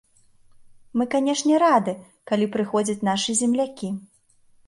Мы, канешне, рады, калі прыходзяць нашы землякі.